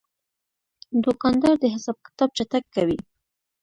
دوکاندار د حساب کتاب چټک کوي.